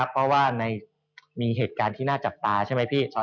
เพราะว่ามีเหตุการณ์ที่น่าจับตาใช่ไหมพี่